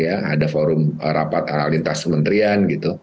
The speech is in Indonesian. ada forum rapat ala lintas kementerian